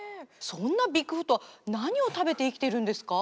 そんなビッグフットは何を食べて生きているんですか？